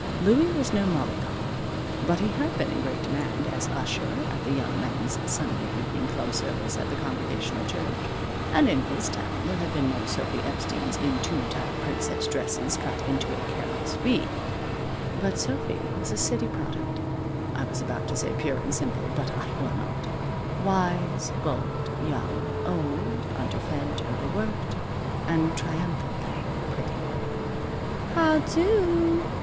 Louie was no mollycoddle. But he had been in great demand as usher at the Young Men's Sunday Evening Club service at the Congregational church, and in his town there had been no Sophy Epsteins in too tight princess dresses, cut into a careless V. But Sophy was a city product I was about to say pure and simple, but I will not wise, bold, young, old, underfed, overworked, and triumphantly pretty. "How do!"